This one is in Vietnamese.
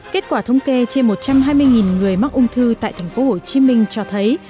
kết quả thống kê trên một trăm hai mươi người mắc ung thư tại tp hcm cho thấy